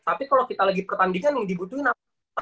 tapi kalau kita lagi pertandingan yang dibutuhkan apa